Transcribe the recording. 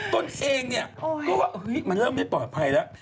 ตนเองเนี่ยก็ว่าเฮ้ยมันเริ่มไม่ปลอดภัยแล้ว